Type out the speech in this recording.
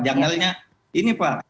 janggalnya ini pak